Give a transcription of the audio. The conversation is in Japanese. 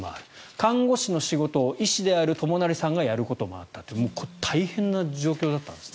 看護師の仕事を医師である友成さんがやることもあったという大変な状況だったんですね。